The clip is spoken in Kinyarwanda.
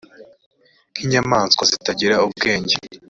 nk inyamaswa zitagira ubwenge